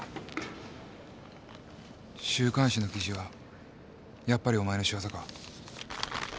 週刊誌の記事はやっぱりお前の仕業か。